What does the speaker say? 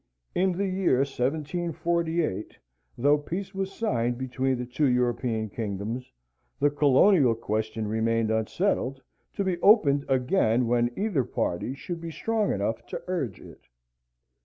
In the year 1748, though peace was signed between the two European kingdoms, the colonial question remained unsettled, to be opened again when either party should be strong enough to urge it.